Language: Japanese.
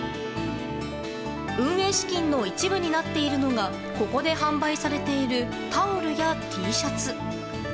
運営資金の一部になっているのがここで販売されているタオルやＴシャツ。